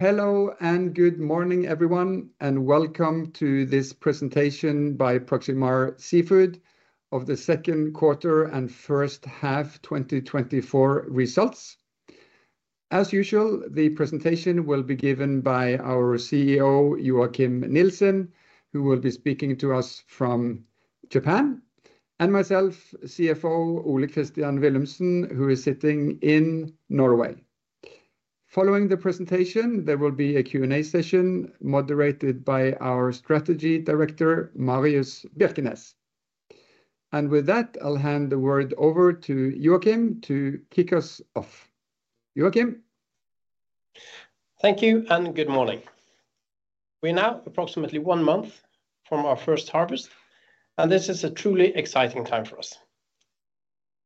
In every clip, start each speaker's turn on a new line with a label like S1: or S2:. S1: Hello, and good morning, everyone, and welcome to this presentation by Proximar Seafood of the second quarter and first half 2024 results. As usual, the presentation will be given by our CEO, Joachim Nielsen, who will be speaking to us from Japan, and myself, CFO Ole Christian Willumsen, who is sitting in Norway. Following the presentation, there will be a Q&A session moderated by our strategy director, Marius Bjerknes. And with that, I'll hand the word over to Joachim to kick us off. Joachim?
S2: Thank you, and good morning. We're now approximately one month from our first harvest, and this is a truly exciting time for us.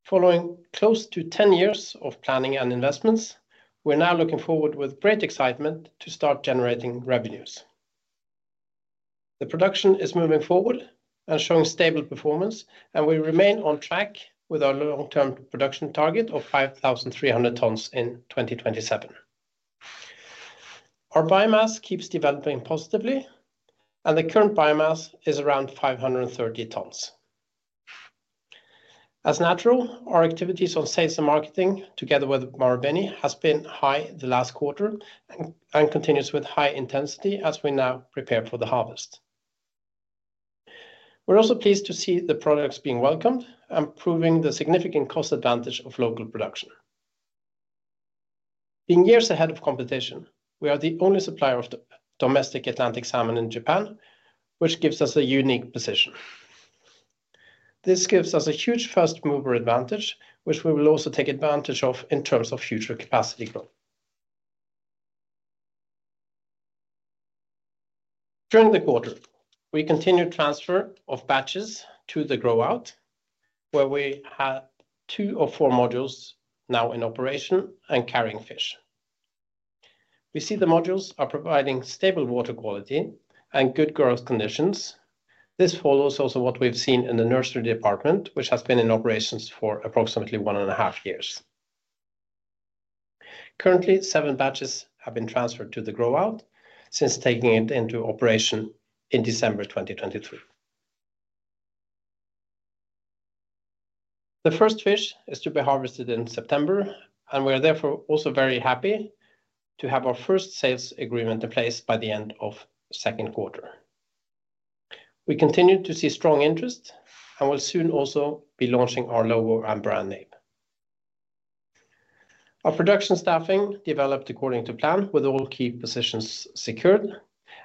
S2: Following close to ten years of planning and investments, we're now looking forward with great excitement to start generating revenues. The production is moving forward and showing stable performance, and we remain on track with our long-term production target of five thousand three hundred tons in 2027. Our biomass keeps developing positively, and the current biomass is around five hundred and thirty tons. Naturally, our activities on sales and marketing, together with Marubeni, has been high the last quarter and continues with high intensity as we now prepare for the harvest. We're also pleased to see the products being welcomed and proving the significant cost advantage of local production. Being years ahead of competition, we are the only supplier of domestic Atlantic salmon in Japan, which gives us a unique position. This gives us a huge first-mover advantage, which we will also take advantage of in terms of future capacity growth. During the quarter, we continued transfer of batches to the grow-out, where we have two of four modules now in operation and carrying fish. We see the modules are providing stable water quality and good growth conditions. This follows also what we've seen in the nursery department, which has been in operations for approximately one and a half years. Currently, seven batches have been transferred to the grow-out since taking it into operation in December 2023. The first fish is to be harvested in September, and we are therefore also very happy to have our first sales agreement in place by the end of second quarter. We continue to see strong interest and will soon also be launching our logo and brand name. Our production staffing developed according to plan, with all key positions secured,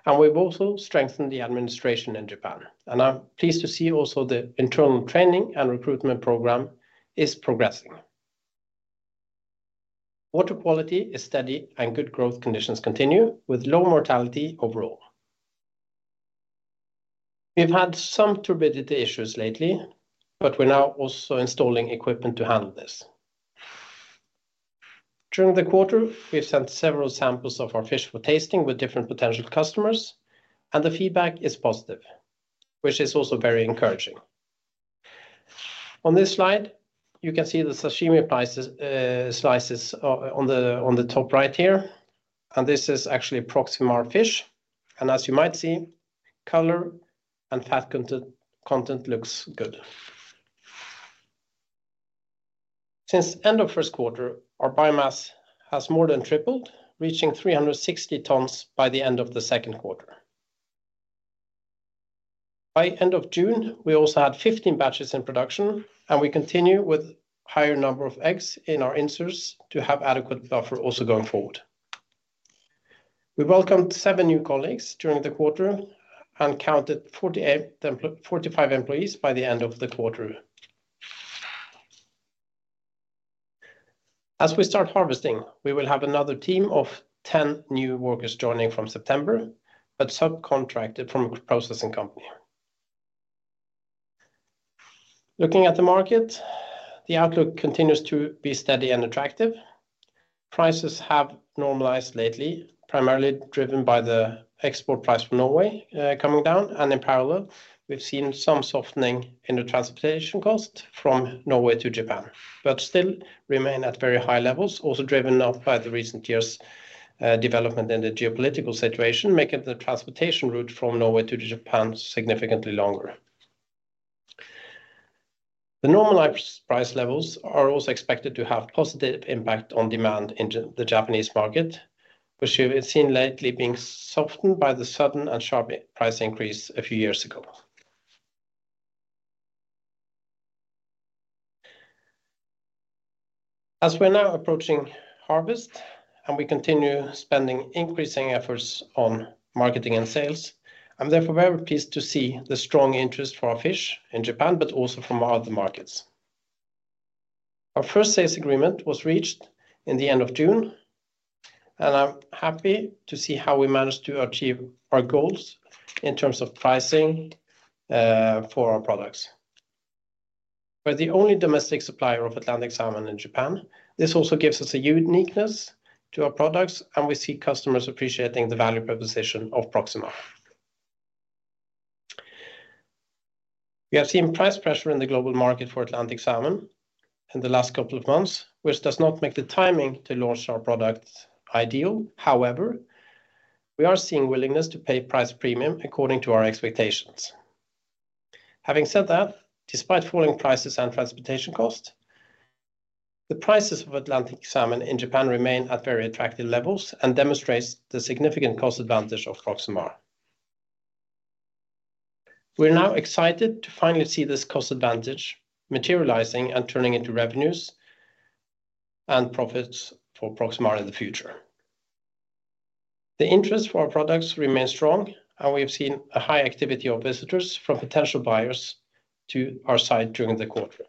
S2: and we've also strengthened the administration in Japan. I'm pleased to see also the internal training and recruitment program is progressing. Water quality is steady, and good growth conditions continue, with low mortality overall. We've had some turbidity issues lately, but we're now also installing equipment to handle this. During the quarter, we've sent several samples of our fish for tasting with different potential customers, and the feedback is positive, which is also very encouraging. On this slide, you can see the sashimi slices on the top right here, and this is actually a Proximar fish. As you might see, color and fat content looks good. Since end of first quarter, our biomass has more than tripled, reaching 360 tons by the end of the second quarter. By end of June, we also had 15 batches in production, and we continue with higher number of eggs in our inserts to have adequate buffer also going forward. We welcomed seven new colleagues during the quarter and counted 45 employees by the end of the quarter. As we start harvesting, we will have another team of 10 new workers joining from September, but subcontracted from a processing company. Looking at the market, the outlook continues to be steady and attractive. Prices have normalized lately, primarily driven by the export price from Norway, coming down, and in parallel, we've seen some softening in the transportation cost from Norway to Japan but still remain at very high levels, also driven up by the recent years' development in the geopolitical situation, making the transportation route from Norway to Japan significantly longer. The normalized price levels are also expected to have positive impact on demand in the Japanese market, which we've seen lately being softened by the sudden and sharp price increase a few years ago. As we're now approaching harvest and we continue spending increasing efforts on marketing and sales, I'm therefore very pleased to see the strong interest for our fish in Japan, but also from other markets. Our first sales agreement was reached in the end of June, and I'm happy to see how we managed to achieve our goals in terms of pricing, for our products. We're the only domestic supplier of Atlantic salmon in Japan. This also gives us a uniqueness to our products, and we see customers appreciating the value proposition of Proximar.... We have seen price pressure in the global market for Atlantic salmon in the last couple of months, which does not make the timing to launch our products ideal. However, we are seeing willingness to pay price premium according to our expectations. Having said that, despite falling prices and transportation costs, the prices of Atlantic salmon in Japan remain at very attractive levels and demonstrates the significant cost advantage of Proximar. We're now excited to finally see this cost advantage materializing and turning into revenues and profits for Proximar in the future. The interest for our products remains strong, and we have seen a high activity of visitors from potential buyers to our site during the quarter.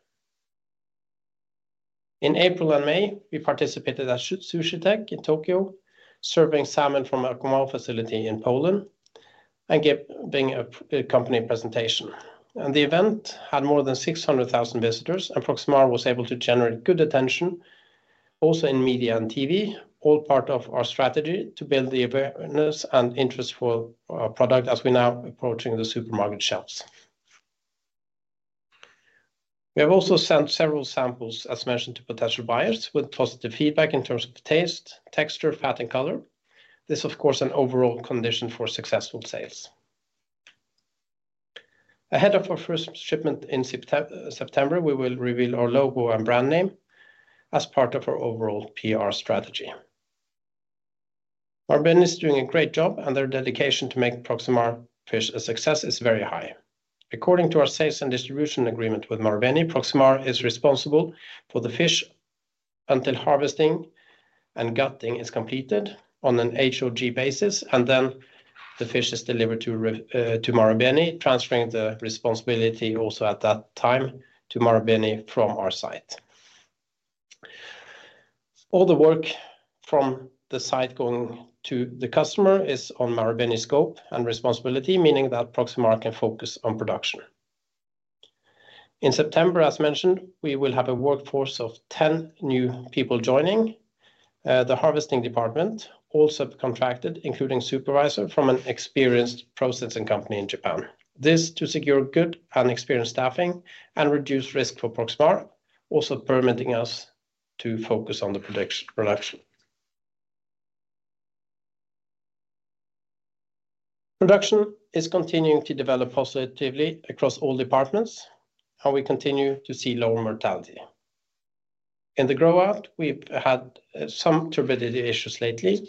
S2: In April and May, we participated at Sushi Tech Tokyo, serving salmon from our AquaMaof facility in Poland and giving a company presentation. The event had more than 600,000 visitors, and Proximar was able to generate good attention, also in media and TV, all part of our strategy to build the awareness and interest for our product as we're now approaching the supermarket shelves. We have also sent several samples, as mentioned, to potential buyers, with positive feedback in terms of taste, texture, fat, and color. This, of course, an overall condition for successful sales. Ahead of our first shipment in September, we will reveal our logo and brand name as part of our overall PR strategy. Marubeni is doing a great job, and their dedication to make Proximar fish a success is very high. According to our sales and distribution agreement with Marubeni, Proximar is responsible for the fish until harvesting and gutting is completed on an HOG basis, and then the fish is delivered to Marubeni, transferring the responsibility also at that time to Marubeni from our site. All the work from the site going to the customer is on Marubeni scope and responsibility, meaning that Proximar can focus on production. In September, as mentioned, we will have a workforce of 10 new people joining the harvesting department, also contracted, including supervisor from an experienced processing company in Japan. This to secure good and experienced staffing and reduce risk for Proximar, also permitting us to focus on the product-production. Production is continuing to develop positively across all departments, and we continue to see lower mortality. In the grow-out, we've had some turbidity issues lately.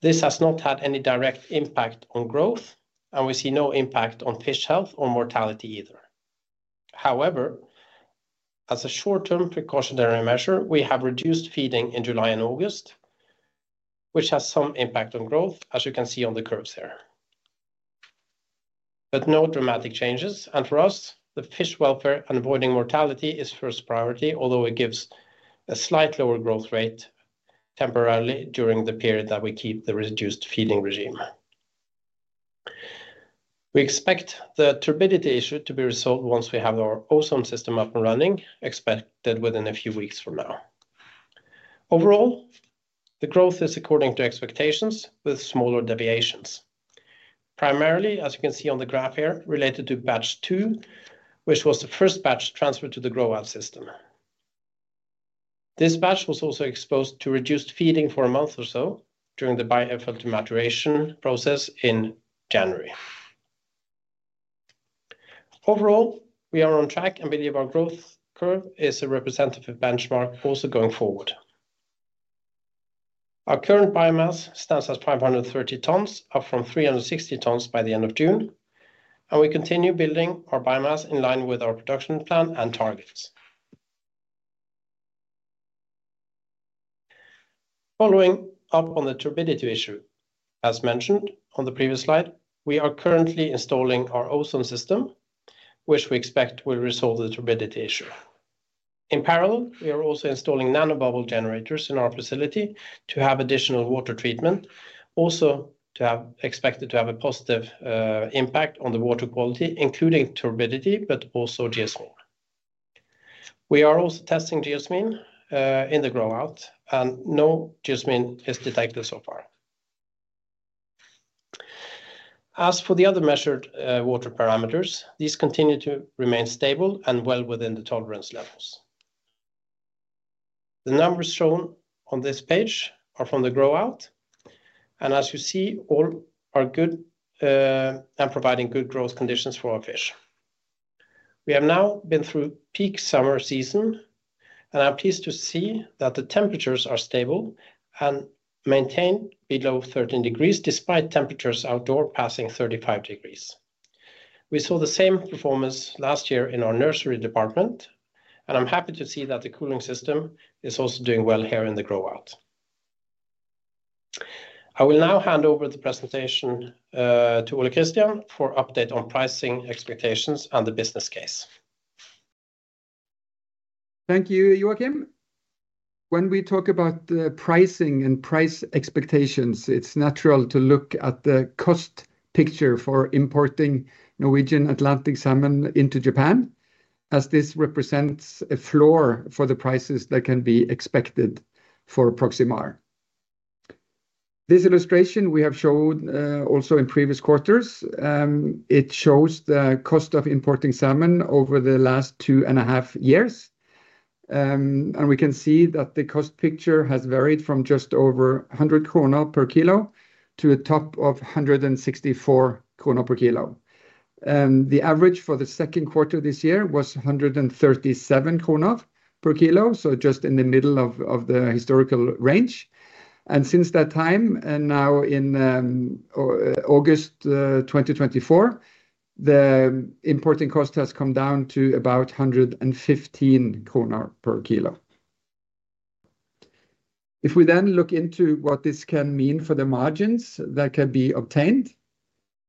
S2: This has not had any direct impact on growth, and we see no impact on fish health or mortality either. However, as a short-term precautionary measure, we have reduced feeding in July and August, which has some impact on growth, as you can see on the curves here, but no dramatic changes, and for us, the fish welfare and avoiding mortality is first priority, although it gives a slight lower growth rate temporarily during the period that we keep the reduced feeding regime. We expect the turbidity issue to be resolved once we have our ozone system up and running, expected within a few weeks from now. Overall, the growth is according to expectations, with smaller deviations. Primarily, as you can see on the graph here, related to batch two, which was the first batch transferred to the grow-out system. This batch was also exposed to reduced feeding for a month or so during the biofilter maturation process in January. Overall, we are on track and believe our growth curve is a representative benchmark also going forward. Our current biomass stands at 530 tons, up from 360 tons by the end of June, and we continue building our biomass in line with our production plan and targets. Following up on the turbidity issue, as mentioned on the previous slide, we are currently installing our ozone system, which we expect will resolve the turbidity issue. In parallel, we are also installing nanobubble generators in our facility to have additional water treatment, also expected to have a positive impact on the water quality, including turbidity, but also geosmin. We are also testing geosmin in the grow-out, and no geosmin is detected so far. As for the other measured water parameters, these continue to remain stable and well within the tolerance levels. The numbers shown on this page are from the grow-out, and as you see, all are good, and providing good growth conditions for our fish. We have now been through peak summer season, and I'm pleased to see that the temperatures are stable and maintained below 13 degrees, despite outdoor temperatures passing 35 degrees. We saw the same performance last year in our nursery department, and I'm happy to see that the cooling system is also doing well here in the grow-out. I will now hand over the presentation to Ole Christian for update on pricing expectations and the business case.
S1: Thank you, Joachim. When we talk about the pricing and price expectations, it's natural to look at the cost picture for importing Norwegian Atlantic salmon into Japan, as this represents a floor for the prices that can be expected for Proximar. This illustration we have shown also in previous quarters. It shows the cost of importing salmon over the last two and a half years. And we can see that the cost picture has varied from just over 100 krone per kilo to a top of 164 krone per kilo. The average for the second quarter this year was 137 krone per kilo, so just in the middle of the historical range. And since that time, and now in August 2024, the importing cost has come down to about 115 kroner per kilo. If we then look into what this can mean for the margins that can be obtained,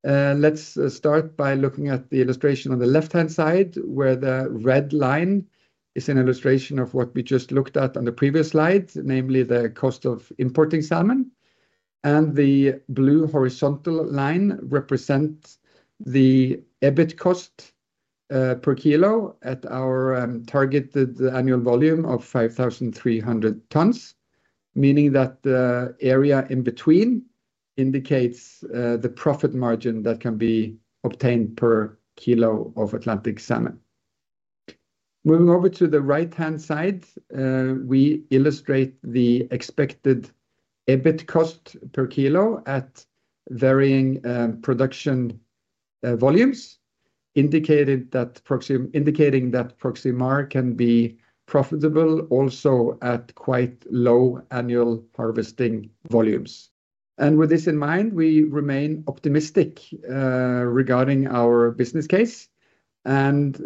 S1: let's start by looking at the illustration on the left-hand side, where the red line is an illustration of what we just looked at on the previous slide, namely the cost of importing salmon. The blue horizontal line represents the EBIT cost per kilo at our targeted annual volume of five thousand three hundred tons, meaning that the area in between indicates the profit margin that can be obtained per kilo of Atlantic salmon. Moving over to the right-hand side, we illustrate the expected EBIT cost per kilo at varying production volumes, indicating that Proximar can be profitable also at quite low annual harvesting volumes. With this in mind, we remain optimistic regarding our business case, and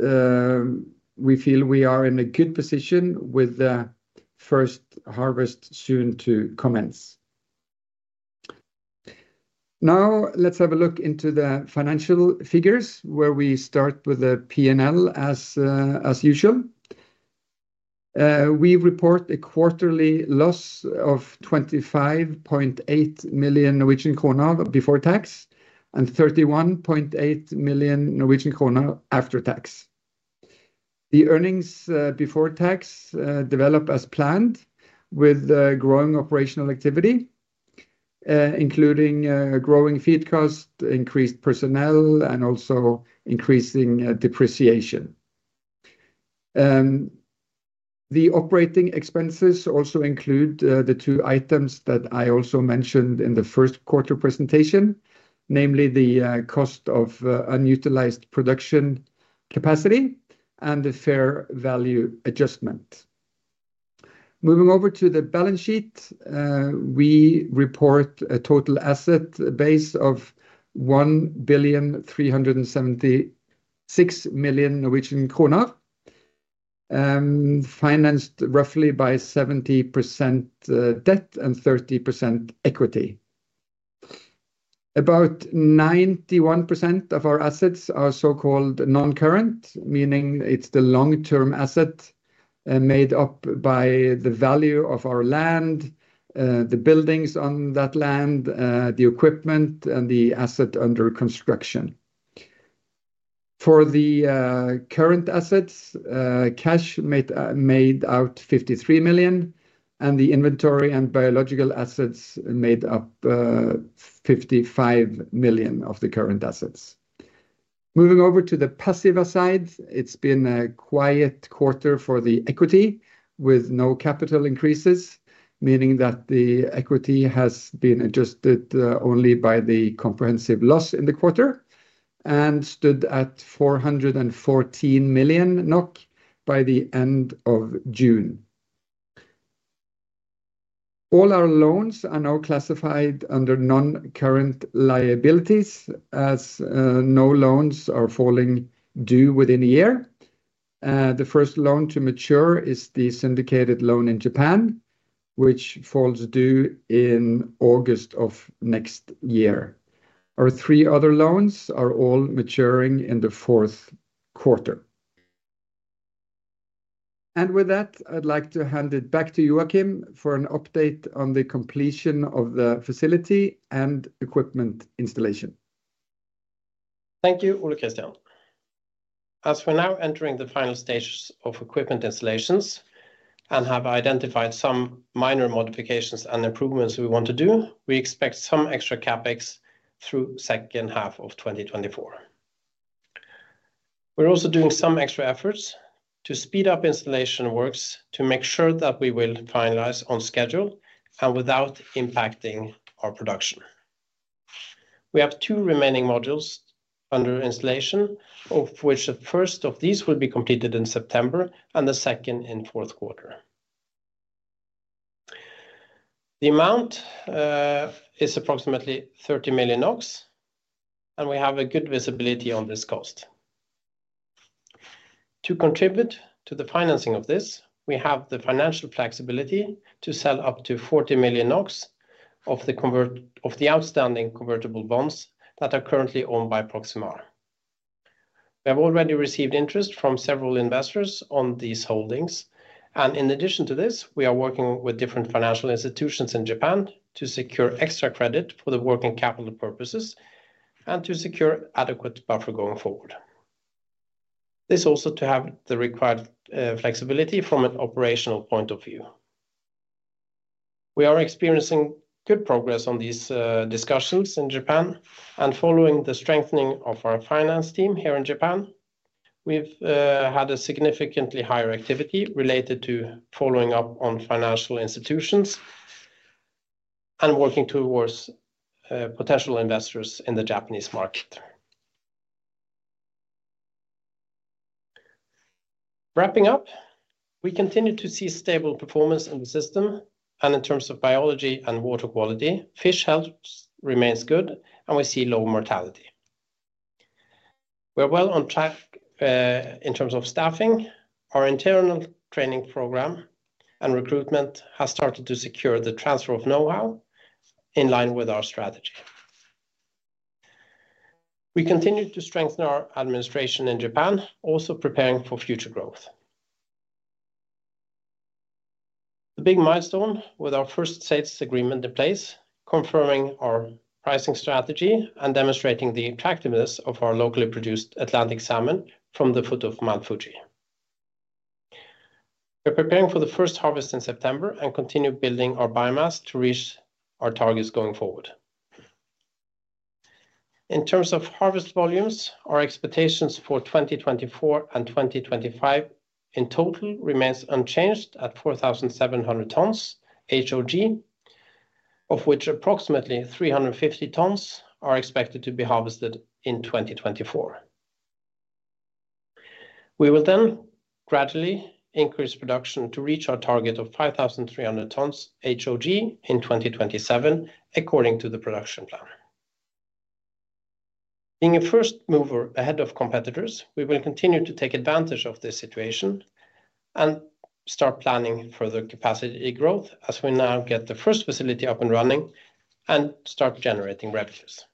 S1: we feel we are in a good position with the first harvest soon to commence. Now, let's have a look into the financial figures, where we start with the P&L as usual. We report a quarterly loss of 25.8 million Norwegian krone before tax, and 31.8 million Norwegian krone after tax. The earnings before tax developed as planned, with growing operational activity, including growing feed cost, increased personnel, and also increasing depreciation. The operating expenses also include the two items that I also mentioned in the first quarter presentation, namely the cost of unutilized production capacity and the fair value adjustment. Moving over to the balance sheet, we report a total asset base of 1.376 billion NOK, financed roughly by 70% debt and 30% equity. About 91% of our assets are so-called non-current, meaning it's the long-term asset, made up by the value of our land, the buildings on that land, the equipment and the asset under construction. For the current assets, cash made out 53 million NOK, and the inventory and biological assets made up 55 million NOK of the current assets. Moving over to the passive side, it's been a quiet quarter for the equity, with no capital increases, meaning that the equity has been adjusted only by the comprehensive loss in the quarter and stood at 414 million NOK by the end of June. All our loans are now classified under non-current liabilities, as no loans are falling due within a year. The first loan to mature is the syndicated loan in Japan, which falls due in August of next year. Our three other loans are all maturing in the fourth quarter. And with that, I'd like to hand it back to Joachim for an update on the completion of the facility and equipment installation.
S2: Thank you, Ole Christian. As we're now entering the final stages of equipment installations and have identified some minor modifications and improvements we want to do, we expect some extra CapEx through second half of 2024. We're also doing some extra efforts to speed up installation works to make sure that we will finalize on schedule and without impacting our production. We have two remaining modules under installation, of which the first of these will be completed in September and the second in fourth quarter. The amount is approximately 30 million NOK, and we have a good visibility on this cost. To contribute to the financing of this, we have the financial flexibility to sell up to 40 million NOK of the convertible bonds that are currently owned by Proximar. We have already received interest from several investors on these holdings, and in addition to this, we are working with different financial institutions in Japan to secure extra credit for the working capital purposes and to secure adequate buffer going forward. This also to have the required flexibility from an operational point of view. We are experiencing good progress on these discussions in Japan, and following the strengthening of our finance team here in Japan, we've had a significantly higher activity related to following up on financial institutions and working towards potential investors in the Japanese market. Wrapping up, we continue to see stable performance in the system and in terms of biology and water quality, fish health remains good, and we see low mortality. We're well on track in terms of staffing. Our internal training program and recruitment has started to secure the transfer of know-how in line with our strategy. We continue to strengthen our administration in Japan, also preparing for future growth. The big milestone with our first sales agreement in place, confirming our pricing strategy and demonstrating the attractiveness of our locally produced Atlantic salmon from the foot of Mount Fuji. We're preparing for the first harvest in September and continue building our biomass to reach our targets going forward. In terms of harvest volumes, our expectations for 2024 and 2025 in total remains unchanged at 4,700 tons HOG, of which approximately 350 tons are expected to be harvested in 2024. We will then gradually increase production to reach our target of 5,300 tons HOG in 2027, according to the production plan. Being a first mover ahead of competitors, we will continue to take advantage of this situation and start planning further capacity growth as we now get the first facility up and running and start generating revenues.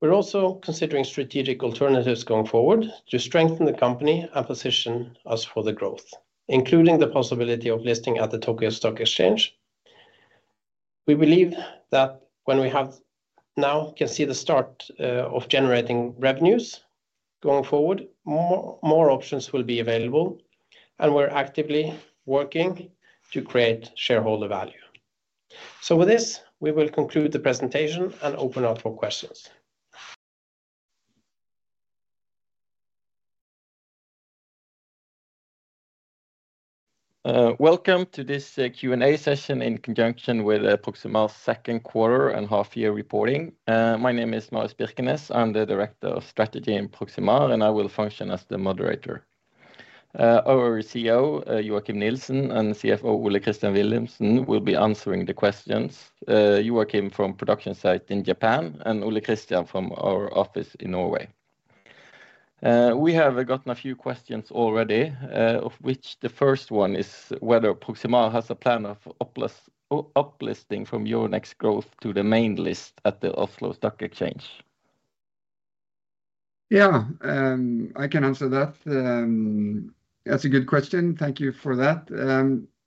S2: We're also considering strategic alternatives going forward to strengthen the company and position us for the growth, including the possibility of listing at the Tokyo Stock Exchange. We believe that when we have now we can see the start of generating revenues going forward. More options will be available, and we're actively working to create shareholder value. With this, we will conclude the presentation and open up for questions.
S3: Welcome to this Q&A session in conjunction with Proximar's second quarter and half year reporting. My name is Marius Bjerknes. I'm the Director of Strategy in Proximar, and I will function as the moderator. Our CEO, Joachim Nielsen, and CFO, Ole Christian Willumsen, will be answering the questions. Joachim from production site in Japan, and Ole Christian from our office in Norway. We have gotten a few questions already, of which the first one is whether Proximar has a plan of uplisting from Euronext Growth to the main list at the Oslo Stock Exchange?
S1: Yeah, I can answer that. That's a good question. Thank you for that.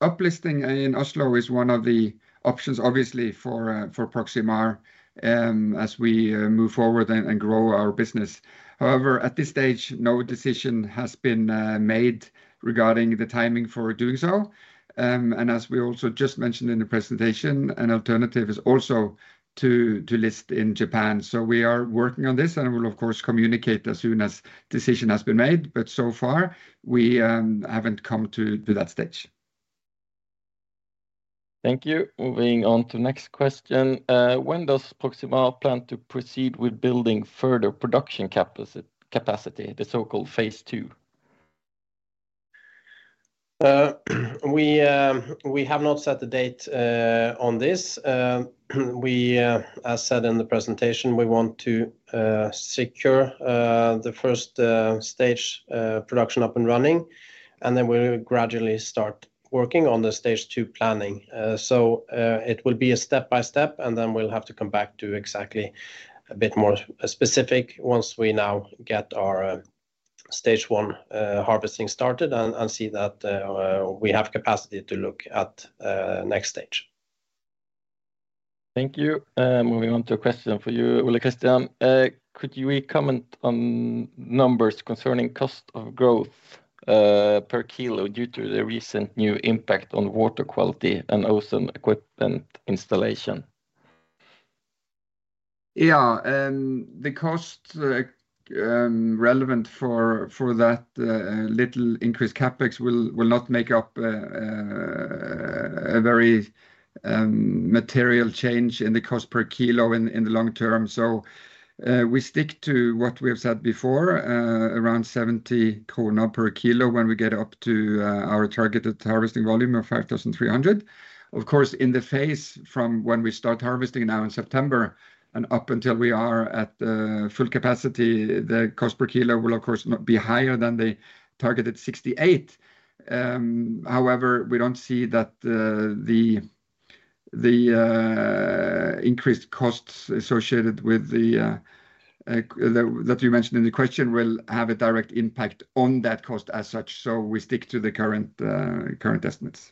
S1: Uplisting in Oslo is one of the options, obviously, for Proximar, as we move forward and grow our business. However, at this stage, no decision has been made regarding the timing for doing so, and as we also just mentioned in the presentation, an alternative is also to list in Japan. So we are working on this and will, of course, communicate as soon as decision has been made, but so far we haven't come to that stage.
S3: Thank you. Moving on to the next question. When does Proximar plan to proceed with building further production capacity, the so-called phase two?
S2: We have not set the date on this. As said in the presentation, we want to secure the first stage production up and running, and then we'll gradually start working on the Stage Two planning. So, it will be a step by step, and then we'll have to come back to exactly a bit more specific once we now get our Stage One harvesting started and see that we have capacity to look at next stage.
S3: Thank you. Moving on to a question for you, Ole Christian. Could you comment on numbers concerning cost of grow-out, per kilo due to the recent new impact on water quality and ozone equipment installation?
S1: Yeah, the cost relevant for that little increased CapEx will not make up a very material change in the cost per kilo in the long term. So, we stick to what we have said before, around 70 NOK per kilo when we get up to our targeted harvesting volume of 5,300. Of course, in the phase from when we start harvesting now in September and up until we are at full capacity, the cost per kilo will, of course, not be higher than the targeted 68 NOK. However, we don't see that the increased costs associated with that you mentioned in the question will have a direct impact on that cost as such, so we stick to the current estimates....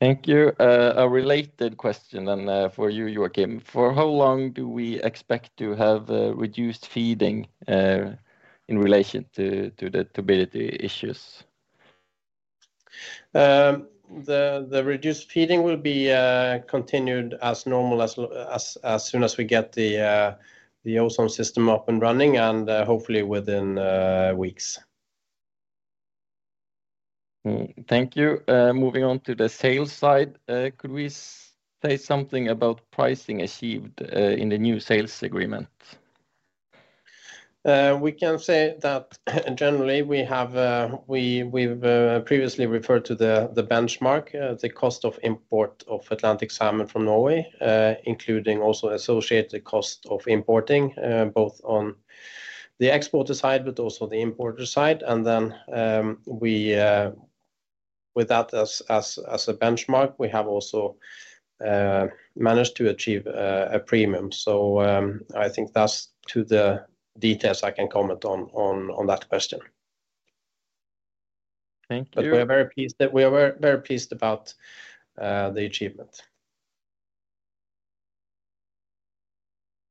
S3: Thank you. A related question then, for you, Joachim. For how long do we expect to have reduced feeding in relation to the turbidity issues?
S2: The reduced feeding will be continued as normal as soon as we get the ozone system up and running, and hopefully within weeks.
S3: Thank you. Moving on to the sales side, could we say something about pricing achieved in the new sales agreement?
S2: We can say that generally we've previously referred to the benchmark, the cost of import of Atlantic salmon from Norway, including also associated cost of importing, both on the exporter side but also the importer side. And then, with that as a benchmark, we have also managed to achieve a premium. So, I think that's the details I can comment on that question.
S3: Thank you.
S2: But we are very pleased about the achievement.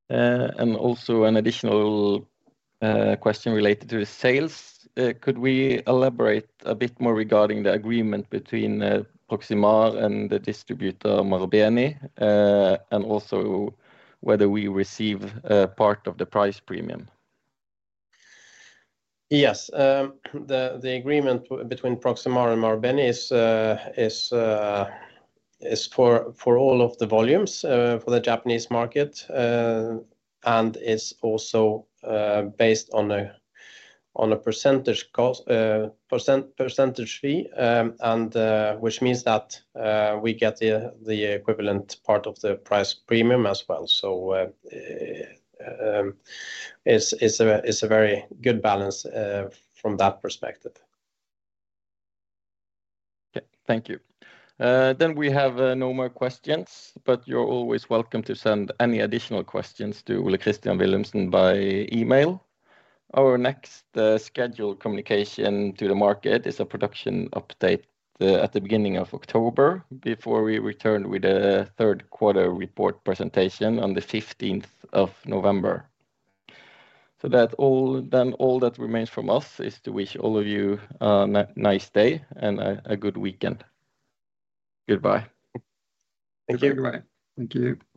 S3: And also an additional question related to the sales. Could we elaborate a bit more regarding the agreement between Proximar and the distributor Marubeni, and also whether we receive a part of the price premium?
S2: Yes. The agreement between Proximar and Marubeni is for all of the volumes for the Japanese market, and is also based on a percentage cost, percentage fee. And which means that we get the equivalent part of the price premium as well. So, it is a very good balance from that perspective.
S3: Okay. Thank you. Then we have no more questions, but you're always welcome to send any additional questions to Ole Christian Willumsen by email. Our next scheduled communication to the market is a production update at the beginning of October, before we return with a third quarter report presentation on the 15th of November. So that's all. Then all that remains from us is to wish all of you a nice day and a good weekend. Goodbye.
S2: Thank you. Goodbye. Thank you.